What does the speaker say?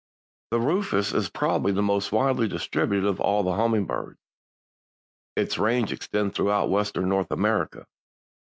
The Rufous is probably the most widely distributed of all the hummingbirds. Its range extends throughout Western North America.